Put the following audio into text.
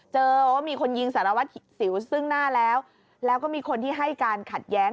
เจอว่ามีคนยิงสารวัตรสิวซึ่งหน้าแล้วแล้วก็มีคนที่ให้การขัดแย้ง